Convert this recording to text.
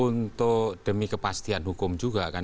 untuk demi kepastian hukum juga kan